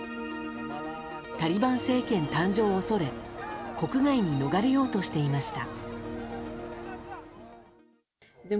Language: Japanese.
タリバン政権誕生を恐れ国外に逃れようとしていました。